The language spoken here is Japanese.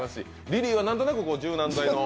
リリーはなんとなく柔軟剤の？